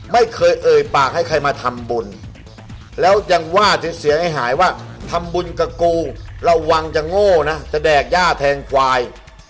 ไม่เคยเอ่ยปากให้ใครมาทำบุญแล้วยังว่าถึงเสียงให้หายว่าทำบุญกับโกงระวังจะโง่นะจะแดกย่าแทงควาย